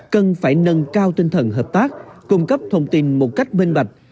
cần phải nâng cao tinh thần hợp tác cung cấp thông tin một cách minh bạch